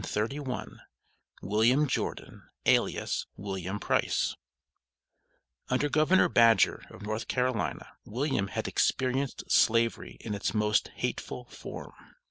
WILLIAM JORDON, ALIAS WILLIAM PRICE Under Governor Badger, of North Carolina, William had experienced Slavery in its most hateful form.